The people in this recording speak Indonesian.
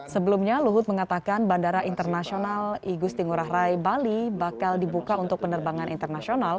sebelumnya luhut mengatakan bandara internasional igusti ngurah rai bali bakal dibuka untuk penerbangan internasional